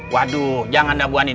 waduh jangan dah bu andien